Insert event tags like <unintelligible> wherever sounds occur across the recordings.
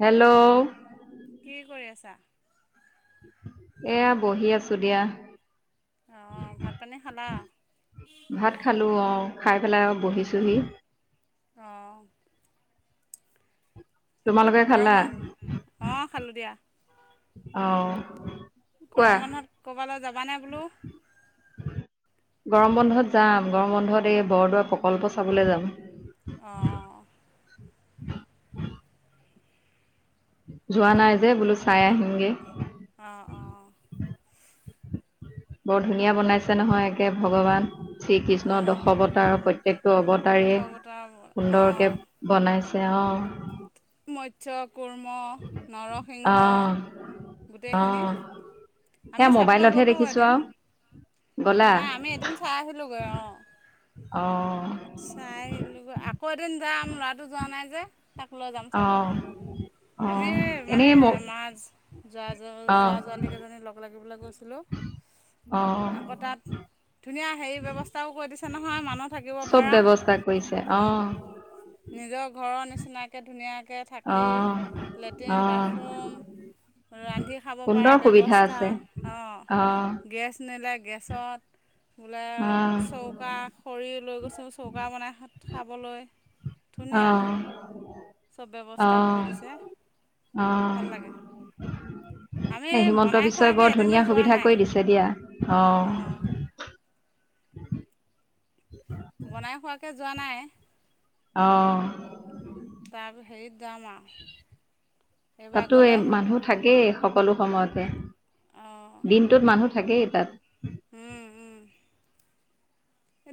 Hello. কি কৰি আছা। এয়া বহি আছো দিয়া। অ ভাত পানী খালা। ভাত খালো অ খাই পেলাই বহিছোহি। অঁ তোমালোকে খালা গৰম বান অঁ খালোঁ দিয়া। অহ কোৱা। গৰম বন্ধত ক'ৰবালৈ যাবানে বোলো? গৰম বন্ধত যাম গৰম বন্ধত এই বৰদোৱা প্ৰকল্প চাবলৈ যাম। অঁ যোৱা নাই যে বোলো চাই আহিমগে। অঁ অঁ। বৰ ধুনীয়া বনাইছে নহয় একে ভগৱান শ্ৰীকৃষ্ণৰ অঁ দশৱতাৰ প্ৰত্যেকটো অৱতাৰ দশ বতাহ সুন্দৰকে বনাইছে অ মৎচক। কুৰ্ম অ নৰসিংহ অ গোটেইখিনি সেয়া আমি চাবলৈ মোবাইলতহে গ'লোঁ দেখিছো এদিন আও নাই আমি এদিন চাই আহিলোগৈ অ। অ। চাই আহিলোগৈ আকৌ এদিন যাম ল'ৰাটো যোৱা নাই যে, তাক লৈ যাম অ চাবলৈ। অ আমি মানে এনেই ম মাচ জৰা জল অ জৱা জৱলি লগ লাগি লগ পেলাই হেল্ল আকৌ অ', তাত ধুনীয়া হেৰি ব্যৱস্থাও কৰি দিছে নহয় মানুহ থাকিব। চব পৰা ব্যৱস্থা কৰিছে অ। কে থাকি অ', লেট্ৰিন, অ', বাথৰুম ৰান্ধি খাব পৰা সুন্দৰ সুবিধা ব্যৱস্থা, আছে অ অ', গেছ নিলে। গেছত, বোলে অ', চৌকা খৰি লৈ গৈছে। চৌকা বনাই খাবলৈ। ধুনীয়া আহ। চব ব্যৱস্থা কৰি দিছে ভাল লাগে। আমি এ হিমন্ত বনাই বিশ্বই খোৱাকৈ বৰ এদিনো ধুনীয়া যোৱা সুবিধা নাই কৰি দিছে দিয়া অঁ অ। উ। বনাই খোৱাকে যোৱা নাই। আহঁ। তাৰ সেই। তাতো এই গ'লে মানুহ থাকেই সকলো সময়তে। দিনটোত মানুহ থাকেই তাত। উম উম।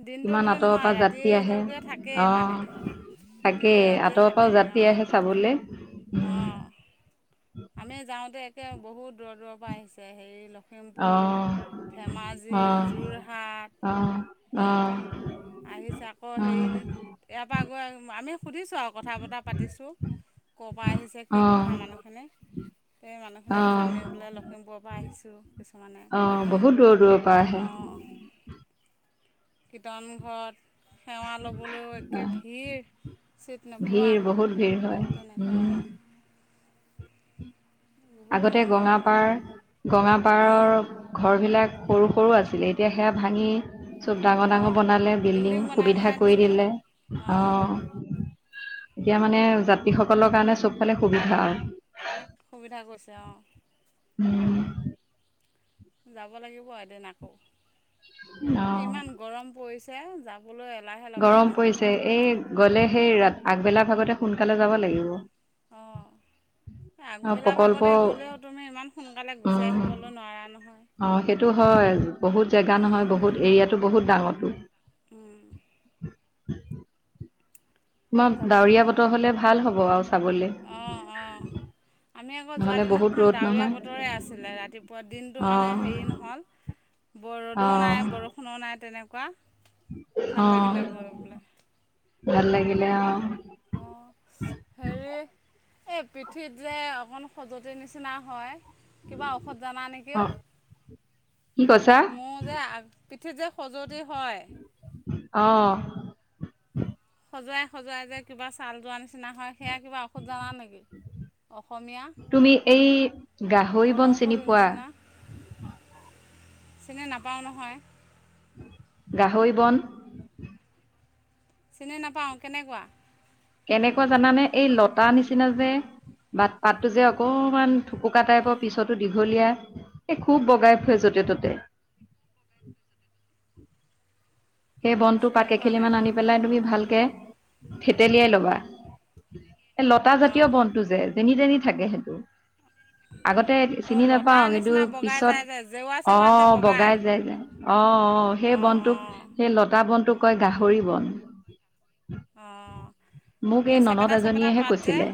দিনটো কিমান বুলি আঁতৰৰ পৰা নহয় যাত্ৰী ৰাতিলৈকে থাকেই মানে। থাকে দিনে ৰাতিয়ে আতৰ পাও থাকেই যাতি অঁ আহে চাবলৈ। অঁ আমি যাওঁতে একে বহুত দূৰ দূৰৰ পৰা আহিছে হেৰি। লখিমপুৰ অ', ধেমাজি যোৰহাট। অ', অ। সেয়াৰ পৰা আহিছে আকৌ অ', হেৰি, ইয়াৰ পৰা গৈ আমি সুধিছোঁ আৰু কথা বতৰা পাতিছোঁ। ক'ৰ পৰা আহিছে কি অ', কথা মানুহখনে। সেই মানুহখিনিক কৈছে অ', আমি বোলে লখিমপুৰৰ পৰা আহিছোঁ কিছুমানে। বৰ দূৰৰ পৰা আহে। কীৰ্তনঘ। সেৱা ল'বলৈও একে অ', ভিৰ চিট নোপোৱা। ভিৰ বহুত ভিৰ হয় তেনেকুৱা। উম, বহুত আগতে দূৰৰ দূৰৰ পৰা গঙাপাৰ, আহে গঙাপাৰৰ ঘৰ বিলাক। সৰু সৰু আছিলে এতিয়া সেয়া ভাঙি। চব ডাঙৰ ডাঙৰ অঁ বনালে বিল্ডিং বনাই সুবিধা, বনাই কৰি দিছে যে দিলে অ। অঁ এতিয়া মানে যাত্ৰী সকলৰ কাৰণে চব ফালে সুবিধা আৰু। সুবিধা কৰিছে অঁ। উম। যাব লাগিব এদিন আকৌ অ', ইমান গৰম পৰিছে যা গৰম পৰিছে এই গ'লে সেই ৰা আগবেলা ভাগতে সোনকালে যাব লাগিব। উ। অঁ আগবেলা ভাগতে গ'লেও তুমি ইমান সোনকালে গুচি উম আহিবলৈ নোৱাৰা নহয়। অ সেইটো হয় বহুত জেগা নহয় বহুত এৰিয়াাতো বহুত ডাঙৰো। উম। উ। তোমাৰ যাব ডাৱৰীয়া লাগিব বতৰ হলে ভাল হব আৰু চাবলে। অঁ অঁ আমি আকৌ নহলে বহুত যোৱাদিনাখন ৰ'দ ডাৱৰীয়া নহয় বতৰে আছিলে ৰাতিপুৱা দিনটো অ মানে হেৰি নহ'ল। ব অ ৰ'দো নাই বৰষুণো নাই তেনেকুৱা। ভাল লাগিলে গৈ পেলাই অ ভাল লাগিলে অ হেৰি এ পিঠিত যে অকন খজুৱতি নিচিনা হয় কিবা ঔষধ জানা অ নেকিও কি কৈছা মোৰ যে আ পিঠি যে খজুৱতি হয় অ খজোৱাই খজোৱাই যে কিবা ছাল তাল যোৱাৰ নিচিনা হয় সেয়া কিবা ঔষধ জানা নেকি অসমীয়া তুমি এই গাহৰি বন চিনি বনৌষধিৰ পোৱা নিচিনা চিনি নাপাওঁ নহয় গাহৈ বন চিনি নাপাওঁ কেনেকুৱা। কেনেকুৱা জানানে এই লতা নিচিনা যে বাত পাতটো যে অকমান থুকুকা টাইপৰ পিছতো দীঘলীয়া এই খুব বগাই ফুৰে যত যতে ততে সেই বনটো পা চিনি পোৱা কেইখেলি নাই মান মই আনি পেলাই তুমি ভালকে থেতেলিয়াই ল'বা। এ লতা জাতীয় অঁ বনটো যে যেনি তেনি থাকে সেইটো। আগতে অঁ চিনি লতা নাপাও কিন্তু নিচিনা বগাই পিছত যায় যে জেওৰা অ চেওৰাত যে বগায় বগাই যাই যে অ অ সেই অঁ বনটোক অঁ সেই লতা বনটোক কয় গাহৰি বন। অঁ মোক এই ননদ চেপেটা চেপেটা এজনীয়েহে পাত যে কৈছিলে।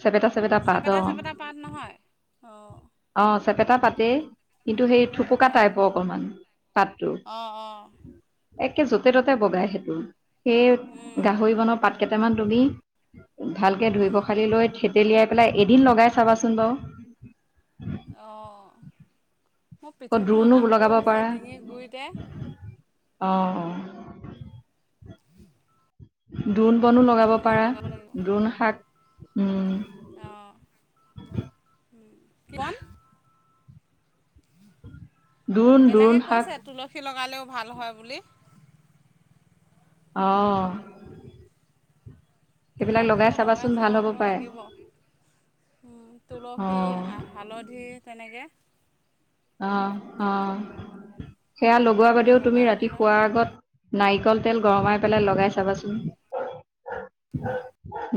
চেপেটা চেপেটা পাত অ চেপেটা পাত নহয় অঁ অহ চেপেটা পাত। কিন্তু সেই থুপুকা অঁ টাইপৰ অকনমান। অঁ অঁ। একে যতে ত'তে বগাই সেইটো সেই উম গাহৰি বনৰ পাত কেইটামান তুমি। ভালকে ধুই উম পখালি লৈ থেতেলিয়াই পেলাই এদিন লগাই চাবাচোন বাও। অঁ মোৰ আকৌ দ্ৰোণো পিঠিখনত আকৌ লগাব হৈছে ডিঙি গুৰিতে অ অ দোন বনো লগাব সেইখিনি পাৰা দোন শাক অহ কি বন? দোণ বেলেগে দোৰোণ কৈছে শাক। তুলসী লগালেও ভাল হয় বুলি অ তুলসীও লগাই ভাল হ'ব চাব পাৰে লাগিব। তুলসী অঁ হালধি তেনেকে অ অ সেয়া লগোৱাৰ বাদেও তুমি লগাই ৰাতি বোলে শোৱাৰ আগত নাৰিকল তেল গৰমাই পেলাই লগাই চাবাচোন।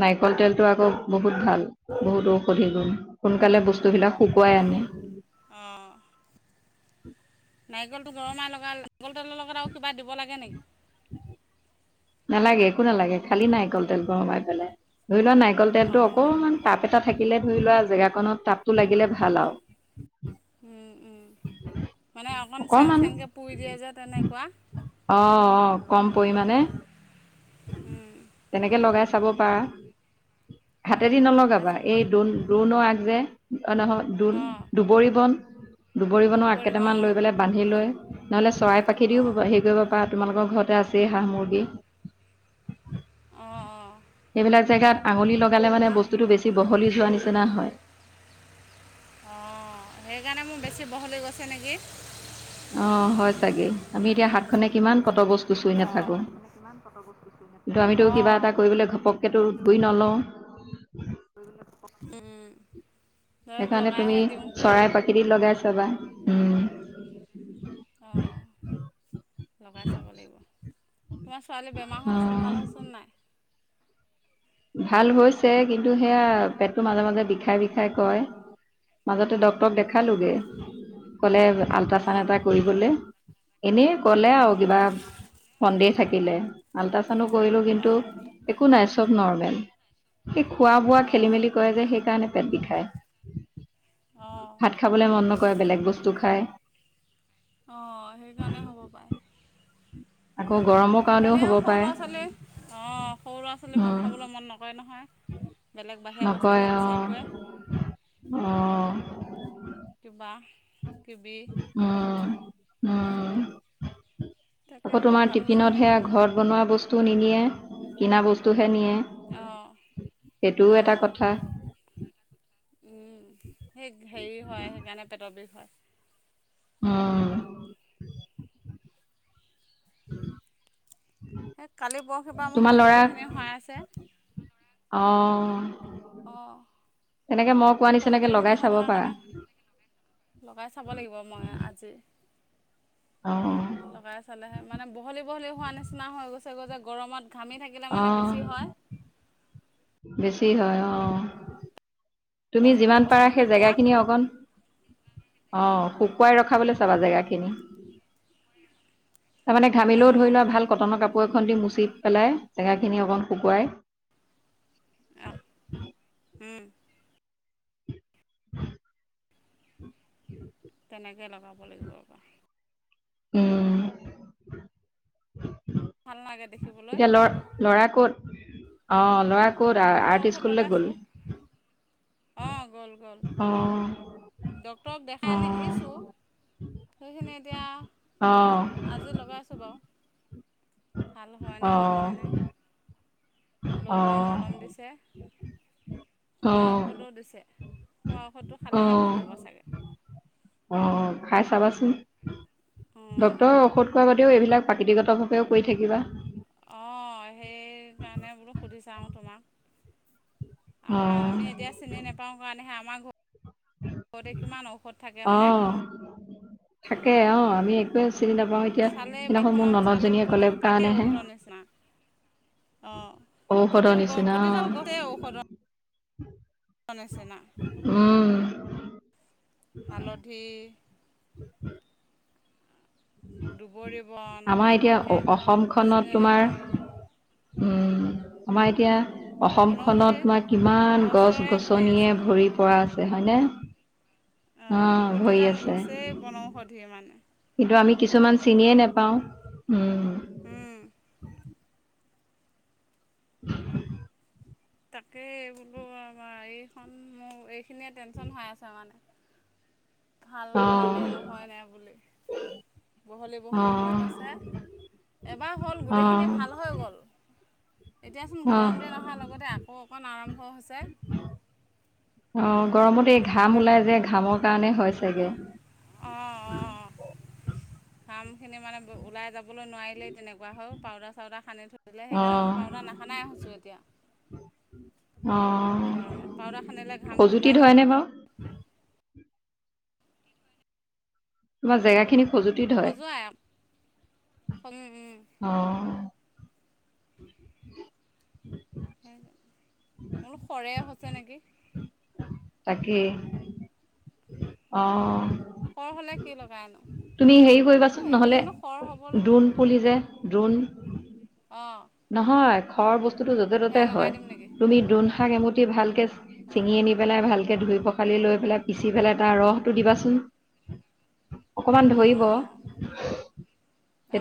নাৰিকল তেলটো আকৌ বহুত ভাল বহুতো ঔষধি গুণ সোনকালে বস্তুবিলাক। শুকুৱাই আনে অঁ নাৰিকলটো গৰমে লগা নাৰিকল তেলৰ লগত আৰু কিবা দিব লাগে নেকি। নালাগে একো নালাগে খালি নাৰিকল তেল গৰমাই পেলাই ধৰি লোৱা নাৰিকল তেলটো অঁ অকমান তাত তাপ এটা থাকিলে ধৰি লোৱা জেগা কণত তাপটো লাগিলে ভাল আও। অকণমান চেং অকমান চেংকৈ পুৰি দিয়ে যে তেনেকুৱা। অ অ কম পৰিমাণে তেনেকে লগাইছে। চাব পাৰা হাতেদি অঁ লগাই নলগাবা চাব এই লাগিব দুন দোণ আগ যে অ নহয় অঁ দুবৰি বন। দুবৰি বনৰ আগ দুবৰিবন কেইটামান অঁ লৈ পেলাই বান্ধি লৈ নহ'লে চৰাই পাখি দিও অঁ হেৰি কৰিব পাৰা তোমালোকৰ ঘৰতে আছেই হাঁহ মুৰ্গী অঁ অঁ সেইবিলাক জেগাত আঙুলি লগালে মানে হাঁ বস্তুটো বেছি বহলি যোৱা নিচিনা হয়। অ সেইকাৰণে মোৰ বেছি বহলি গৈছে নেকি। অ হয় চাগে আমি এতিয়া খনে কিমান পত গস্তু চুই অঁ নাথাকো কিন্তু আমিতো কিবা অঁ এটা কৰিবলৈ ঘপককেতো ধুই নলওঁ। উম সেইকাৰণে তুমি চৰাই পাখিদি লগাই চাবা উম। অঁ <inaudible> লগাই চাব লাগিব তোমাৰ ছোৱালী বেমাৰ হৈ আছিল অ' ভাল হৈছে নাই। ভাল হৈছে কিন্তু সেয়া পেটটো মাজে মাজে বিষাই বিষাই কয়। মাজতে ডক্তৰক অঁ দেখালোগে ক'লে আল্ট্ৰাচাণ্ড অঁ এটা কৰিবলে। এনেই ক'লে আৰু অঁ কিবা সন্দেহ থাকিলে আলা কৰিলো কিন্তু অঁ একো নাই চব নৰ্মেল। খোৱা বোৱা খেলি অঁ মেলি কৰে যে সেইকাৰণে পেট বিষায়। অঁ ভাত খাবলৈ মন নকৰে বেলেগ বস্তু খায়। অঁ সেইকাৰণে হ'ব পাৰে আক এনেও সৰু ল'ৰা ছোৱালী আ সৰু ল'ৰা ছোৱালী ভাত খাবলৈ মন নকৰে নহয়। বেলেগ বাহিৰা নকয়ে বস্তুহে অ' বিচাৰি ফুৰে অ' কিবা কিবি অ' অ' তাকে আকৌ বোলো তোমাৰ ভাল হৈছেনে টিফিনত সেয়া নাই ঘৰত বনোৱা বস্তু নিনিয়ে কিনা বস্তু। অঁ সেইটোও এটা অঁ কথা। সেই হেৰি হয় সেইকাৰণে পেটৰ বিষ হয়। অ' <unintelligible> সেই কালি পৰহি পৰা মোৰ তোমাৰ ল'ৰাক খঁজুতিখিনি হয় আছে। অঁ তেনেকে মই সেই কোৱা নিচিনাকে সঁজুতিখিনি লগাই হৈ চাব থকাৰ পাৰা। কাৰণে লগাই চাব লাগিব মই আজি। অঁ লগাই চালেহে মানে বহলি বহলি হোৱা নিচিনা হৈ গৈছে গৈ যে গৰমত। ঘামি থাকিলে মানে অঁ বেছি হয়। বেছি হয় অ' তুমি লগাই চাবলৈ যিমান ঔষধ পাৰা সেই দেখুওৱা জেগাখিনি অকণ অ' শুকুৱাই ৰখাবলৈ চাবা জেগা খিনি। তাৰমানে ঘামিলেও ধৰি অঁ লোৱা ভাল। কটনৰ কাপোৰ এখন দি মুচি পেলাই জেগাখিনি অকণ শুকুৱাই। <inaudible> আ উম <inaudible> তেনেকৈ লগাব লাগিব অক উম ভাল লাগে দেখি। এতিয়া লৰা ল'ৰা ক'ত অ' লৰা আৰ্ট স্কুললৈ গ'ল। অ' গ'ল গ'ল অ ডক্টৰক দেখাই অ আনি আহিছোঁ। সেইখিনি এতিয়া অ ঔষধ আজি লগাইছোঁ বাও ভাল হয়নে অ নহয়নে? লগোৱা মলম অ দিছে অ খোৱা ঔষধো দিছে। খোৱা ঔষধটো অ খালেহে ভাল হ'ব চাগে। অ খাই চাবাচোন। অঁ ডক্তৰৰ ঔষধ খোৱা বাদেও এইবিলাক প্ৰাকৃতিগত ভাৱেও কৰি থাকিবা। অ' সেইকাৰণে বোলো সুধি চাওঁ তোমাক। অ আমাৰ আমি এতিয়া চিনি নেপাওঁ‌ কাৰণেহে আমাৰ ঘৰতে কিমান ঔষধ থাকে হয়নে অ' থাকে। অ' আমি একোৱে চিনি নাপাওঁ‌ এতিয়া। চালে সেইদিনাখন মোৰ বাৰীখনত ননদ চালে জনীয়ে ক'লে কাৰণেহে। অ' ঔষধৰ প্ৰতি নিচিনা অ প্ৰতিডাল গছেই ঔষধৰ। <inaudible> নিচিনা <inaudible> হালধি। দুবৰি বন আমাৰ এতিয়া অ- ভালকৈ অসমখনত চিনি তোমাৰ নাপাওঁ। উম আমাৰ এতিয়া। বনৌষধি অসমখনত মই কিমান গছ গছৰে ভৰি গছনিয়ে আছে ভৰি পৰা আছে। ছে হয়নে। অ' ভৰি প্ৰতিডাল আছে গছেই বন ঔষধি মানে। কিন্তু আমি কিছুমান চিনিয়ে নেপাওঁ‌ উম। উম <inaudible> তাকে বু বু বা বা এইখন মোৰ এইখিনিয়ে টেনচন হৈ আছে আমা ভাল অ হয় নে নহয় নে বুলি। বহলে অ বহলে গৈ আছে। এবাৰ হ'ল অ গোটেইখিনি ভাল হৈ গ'ল। এতিয়াচোন অ গৰম দিন অহাৰ লগতে আকৌ অকণ আৰম্ভ হৈছে। গৰমতে এই ঘাম সেইকাৰণে ওলাই যে ঘামৰ কাৰণে হয় চাগে। অ অ ঘামখিনি মানে ওলাই যাব নোৱাৰিলে তেনেুৱা হয় পউদাৰ চাউদাৰ সানি থো অ সেইকাৰণে মই পাউনাাৰ নাসানাই আহোছোঁ এতিয়া। অ গৰমত পাউদাৰ খান্দিলে ঘামটো খজুতি ওলাই যাব। ধৰেনে বাৰু তোমাৰ জেগা খিনি খজুতি‌ ধৰে খজুৱাই অ। <inaudible> বোলো খৰে হৈছে নেকি? তাকেই অ খৰ হ'লে কি লগাই নো তুমি হেৰি এ কৰিবাচোন সেইখিনিনো খৰ হবলে দ্ৰণ খৰ বস্তুতটো য'তে সেয়া ত'তে লগাই হয় দিম নেকি তুমি দ্ৰুন শাক এমুঠি ভালকে অঁ চিঙি আনি পেলাই ভালকে ধুই পখালি লৈ পেলাই পিচি পেলাই তাৰ ৰসটো দিবাচোন। অকমান ধৰিব অঁ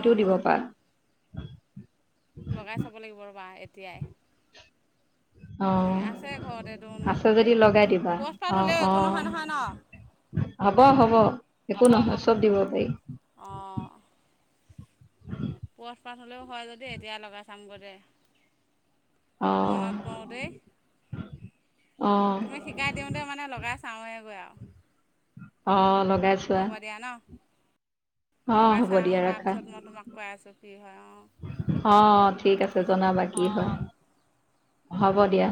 অঁ দিব অঁ পাৰা। <inaudible> লগাই চাব লাগিব ৰ'বা এতিয়াই। অ তেনেকৈ আছে ঘৰতে দৌন আছে পুলি যদি লগাই দিবা পুৰঠপাত অ হ'লেও অ। একো নহয় নহয় ন হব হ'ব একো নহয় চব দিব পাৰি। বচ পাত হ'লেও হয় যদি এতিয়া লগাই চাম দে। অঁ মনত‌ পৰোতেই অঁ তুমি শিকাই দিওঁতে মানে লগাই চাওঁয়ে গৈ আৰু। অ লগা হ'ব দিয়া ন। অঁ লগাই হ'ব দিয়া চাওঁ ৰাখা তাৰপিছত মই তোমাক কৈ আছোঁ কি হয় অঁ। অ ঠিক আছে জনাবা কি হয় হ'ব দিয়া।